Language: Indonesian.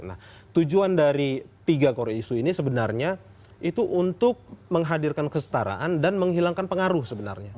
nah tujuan dari tiga core issue ini sebenarnya itu untuk menghadirkan kesetaraan dan menghilangkan pengaruh sebenarnya